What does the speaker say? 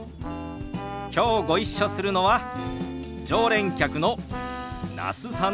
きょうご一緒するのは常連客の那須さんですよ。